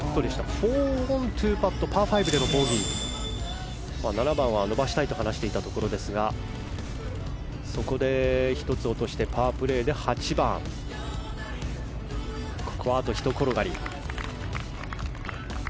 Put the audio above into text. ４オン２パット７番は伸ばしたいと話していたところですがそこで１つ落としてパープレーで８番、ここはあとひと転がり。